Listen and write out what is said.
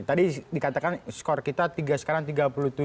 tadi dikatakan skor kita sekarang tiga puluh tujuh